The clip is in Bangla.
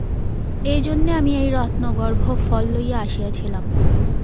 এই জন্যে আমি এই রত্নগর্ভ ফল লইয়া আসিয়াছিলাম।